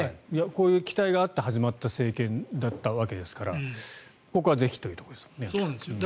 こういう期待があって始まった政権だったわけですからここはぜひというところですよね。